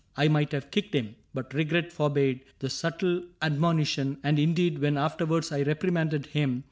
I might have kicked him, but regret forbade The subtle admonition ; and indeed When afterwards I reprimanded him.